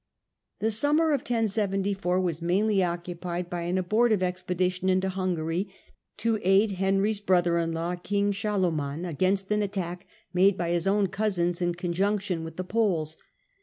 The summer of 1074 was mainly occupied by an Abortive expedition into Hungary, to aid Henry's brother in law, king Solomon, against an attack made by his own cousins in conjunction with the Poles.